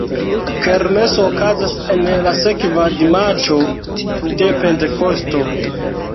Kermeso okazas en la sekva dimaĉo de Pentekosto.